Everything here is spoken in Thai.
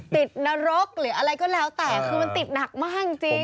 นรกหรืออะไรก็แล้วแต่คือมันติดหนักมากจริง